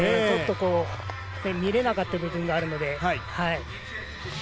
ちょっと見られなかった部分があるので。